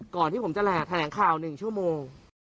ก่อนที่ผมจะแหล่แถลงข่าว๑ชั่วโมง